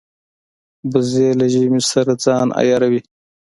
وزې له ژمې سره ځان عیاروي